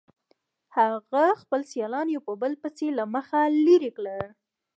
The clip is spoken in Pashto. هغه خپل سیالان یو په بل پسې له مخې لرې کړل